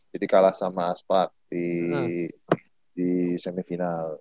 jadi kalah sama aspak di semifinal